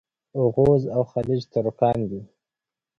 اوغوز او خَلَج ترکان دي.